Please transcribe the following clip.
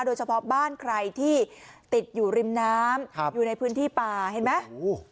โดยเฉพาะบ้านใครที่ติดอยู่ริมน้ำอยู่ในพื้นที่ป่าเห็นไหม